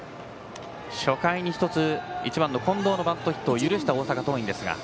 初回に１つ１番の近藤のバントヒットを許した大阪桐蔭ですが。